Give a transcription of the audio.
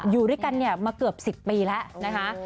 อยู่ด้วยกันมาเกือบ๑๐ปีแล้วนะคะ